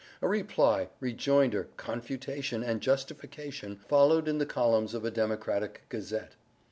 A reply—rejoinder—confutation—and justification—followed in the columns of a Democratic gazette.